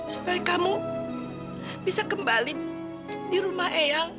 supaya kamu bisa kembali di rumah eyang